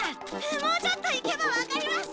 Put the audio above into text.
もうちょっと行けばわかります。